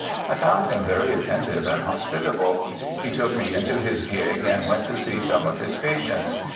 I found him very attentive and hospitable. He took me into his gig and went to see some of his patients.